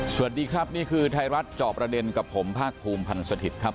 สวัสดีครับนี่คือไทยรัฐจอบประเด็นกับผมภาคภูมิพันธ์สถิตย์ครับ